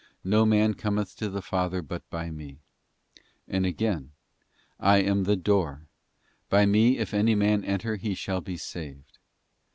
No man cometh to the Father but by Me.'* And again, 'I am the door. By Me if any man enter in he shall be saved.